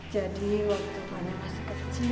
jadi waktu fanya masih kecil